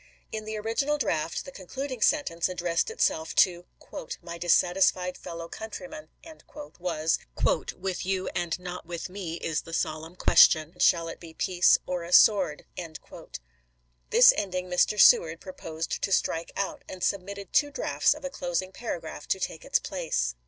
In the original draft the concluding sentence, addressing itself to " my dissatisfied fellow countrymen," was :" With you and not with me is the solemn question, Shall it be peace or a sword ?" This ending Mr. Seward pro posed to strike out, and submitted two drafts of a closing paragraph to take its place.